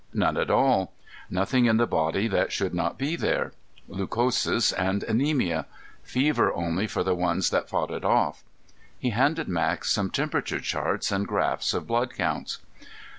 "None at all. Nothing in the body that should not be there. Leucosis and anemia. Fever only for the ones that fought it off." He handed Max some temperature charts and graphs of blood counts.